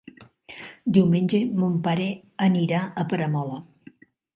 Diumenge mon pare anirà a Peramola.